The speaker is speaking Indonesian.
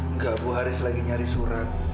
enggak bu haris lagi nyari surat